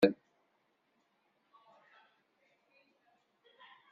Ffɣent-d akk s iberdan.